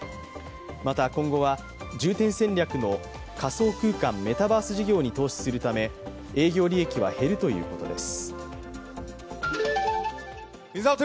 また今後は、重点戦略の仮想空間、メタバース事業に投資するため営業利益は減るということです。